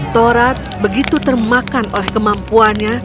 torat begitu termakan oleh kemampuannya